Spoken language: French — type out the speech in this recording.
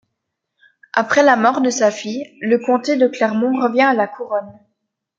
Après la mort de sa fille, le comté de Clermont revient à la Couronne.